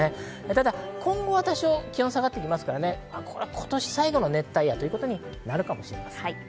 ただ今後は多少気温が下がってきますから、今年最後の熱帯夜となるかもしれません。